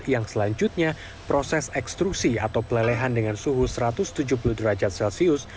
yang selanjutnya proses ekstruksi atau pelelehan dengan suhu satu ratus tujuh puluh derajat celcius